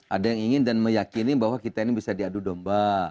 ada yang ingin dan meyakini bahwa kita ini bisa diadu domba